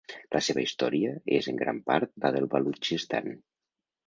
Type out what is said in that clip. La seva història és en gran part la del Balutxistan.